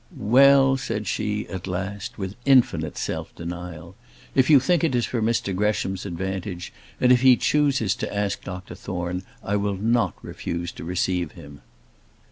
"Well," said she, at last, with infinite self denial, "if you think it is for Mr Gresham's advantage, and if he chooses to ask Dr Thorne, I will not refuse to receive him."